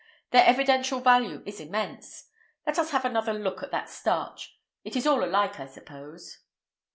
Their evidential value is immense. Let us have another look at that starch; it is all alike, I suppose."